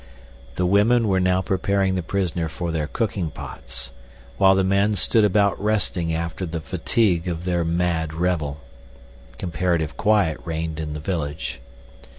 The women were now preparing the prisoner for their cooking pots, while the men stood about resting after the fatigue of their mad revel. Comparative quiet reigned in the village.